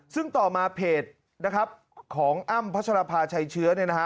ซึ่งต่อมาเพจนะครับของอ้ำพัชรภาชัยเชื้อเนี่ยนะฮะ